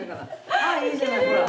あっいいじゃないほら。